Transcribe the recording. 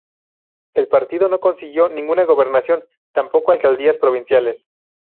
El partido no consiguió ninguna gobernación, tampoco alcaldías provinciales.